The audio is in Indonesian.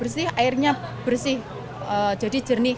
bersih airnya bersih jadi jernih